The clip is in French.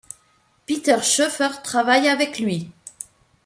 Peter Schoeffer travaille avec lui.